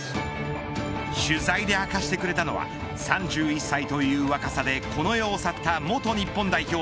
取材で明かしてくれたのは３１歳という若さでこの世を去った元日本代表